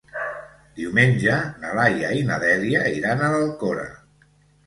Diumenge na Laia i na Dèlia iran a l'Alcora.